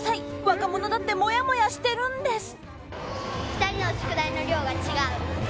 若者だってもやもやしてるんです！